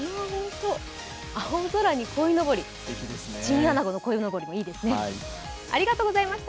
青空にこいのぼり、チンアナゴのこいのぼりもいいですね。